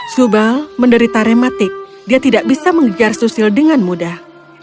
subal menderita rematik dia tidak bisa mengejar susil dengan mudah